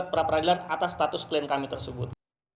dan gugat peradilan atas status klien kami tersebut